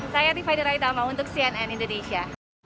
saya tiffa dera itama untuk cnn indonesia